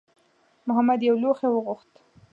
محمد یو لوښی وغوښت.